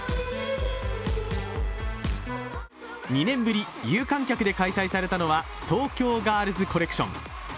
２年ぶり有観客で開催されたのは東京ガールズコレクション。